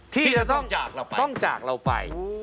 ที่จะต้องจากเราไป